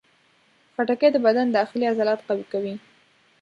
خټکی د بدن داخلي عضلات قوي کوي.